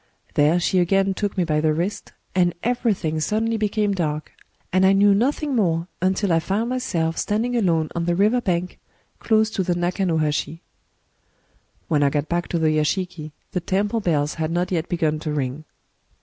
There she again took me by the wrist, and everything suddenly became dark, and I knew nothing more until I found myself standing, alone on the river bank, close to the Naka no hashi. When I got back to the yashiki, the temple bells had not yet b^un to ring.